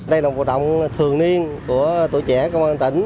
đây là một hoạt động thường niên của tuổi trẻ công an tỉnh